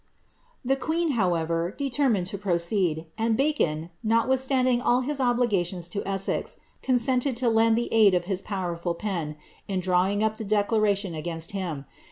The queen, however, determined to proceed; and Bacon, noi withsianding all his obligations to Essex, consented to lend the aid of his powerful pen in drawing up the declaration against him.